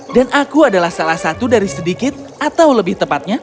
dan aku adalah salah satu dari sedikit atau lebih tepatnya